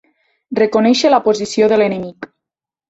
Reconèixer la posició de l'enemic.